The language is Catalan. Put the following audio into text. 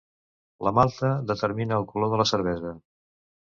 La malta determina el color de la cervesa.